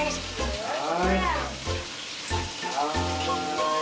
はい。